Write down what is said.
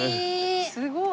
すごい。